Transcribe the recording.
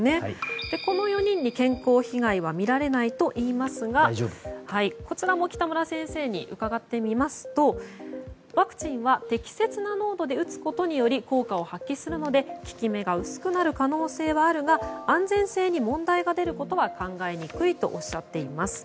この４人に健康被害は見られないといいますがこちらも北村先生に伺ってみますとワクチンは適切な濃度で打つことにより効果を発揮するので効き目が薄くなる可能性はあるが安全性に問題が出ることは考えにくいとおっしゃっています。